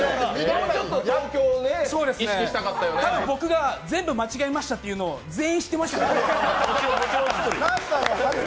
僕が、「全部間違いました」って言うのを全員知ってますからね。